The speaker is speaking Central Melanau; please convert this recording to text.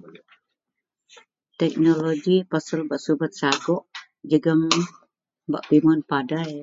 teknologi pasal bak subet sagok jegum bak pimun padai